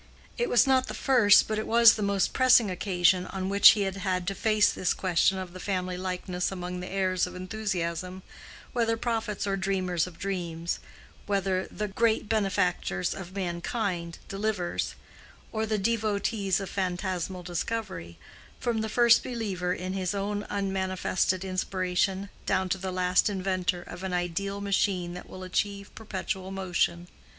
It was not the first but it was the most pressing occasion on which he had had to face this question of the family likeness among the heirs of enthusiasm, whether prophets or dreamers of dreams, whether the "Great benefactors of mankind, deliverers," or the devotees of phantasmal discovery—from the first believer in his own unmanifested inspiration, down to the last inventor of an ideal machine that will achieve perpetual motion.